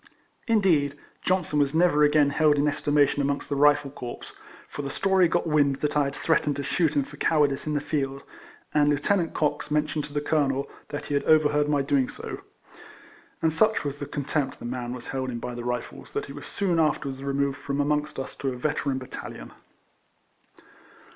Indeed, Johnson was never again held in estimation amongst the Rifle corps ; for the story got wind that I had threatened to shoot him for cowardice in the field, and Lieut. Cox mentioned to the Colonel, that he had overheard my doing so ; and such was the contempt the man was held in by the Rifles, that he was soon afterwards removed from amongst us to a veteran bat talion.